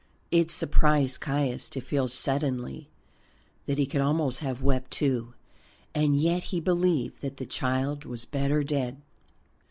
It surprised Caius to feel suddenly that he could almost have wept, too, and yet he believed that the child was better dead.